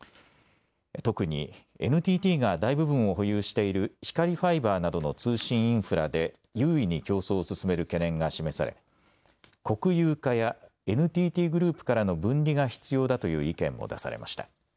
特にＮＴＴが大部分を保有している光ファイバーなどの通信インフラで優位に競争を進める懸念が示され国有化やＮＴＴグループからの分離が必要だという意見も出されました。